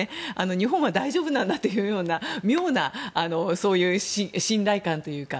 日本は大丈夫なんだというような妙な信頼感というか。